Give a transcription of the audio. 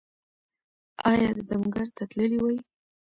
ایا د دم ګر ته تللي وئ؟